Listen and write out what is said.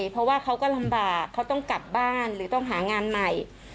เพราะว่าเขาก็ลำบากเขาต้องกลับบ้านหรือต้องหางานใหม่